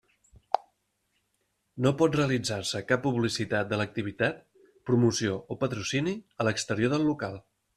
No pot realitzar-se cap publicitat de l'activitat, promoció o patrocini a l'exterior del local.